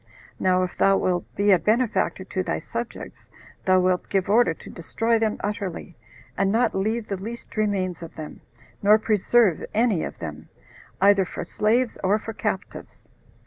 Now, if thou wilt be a benefactor to thy subjects, thou wilt give order to destroy them utterly, and not leave the least remains of them, nor preserve any of them, either for slaves or for captives."